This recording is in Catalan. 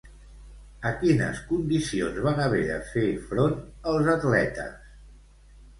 A quines condicions van haver de fer front els atletes?